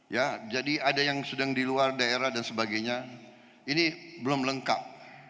ya jadi ada yang sedang di luar daerah dan sebagainya ini belum lengkap